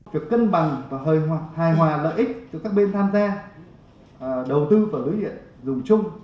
việc cân bằng và hơi hoạt hài hòa lợi ích cho các bên tham gia đầu tư vào lưới điện dùng chung